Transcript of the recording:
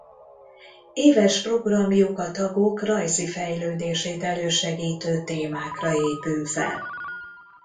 Éves programjuk a tagok rajzi fejlődését elősegítő témákra épül fel.